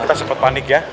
kita cepet panik ya